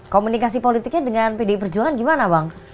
komunikasi politiknya dengan pdi perjuangan gimana bang